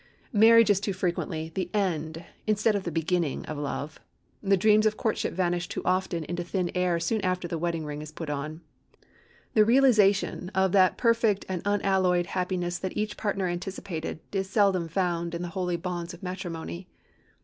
Marriage is too frequently the end instead of the beginning of love. The dreams of courtship vanish too often into thin air soon after the wedding ring is put on. The realization of that perfect and unalloyed happiness that each partner anticipated is seldom found in the holy bonds of matrimony.